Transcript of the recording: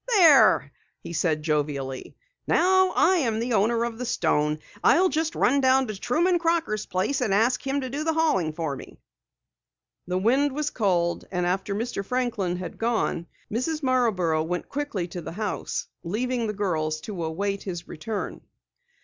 "There," he said jovially, "now I am the owner of the stone. I'll just run down to Truman Crocker's place and ask him to do the hauling for me." The wind was cold, and after Mr. Franklin had gone, Mrs. Marborough went quickly to the house, leaving the girls to await his return.